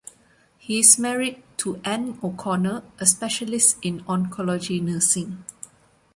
He is married to Anne O'Connor, a specialist in oncology nursing.